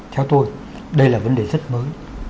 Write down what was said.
theo tôi đây là vấn đề rất mới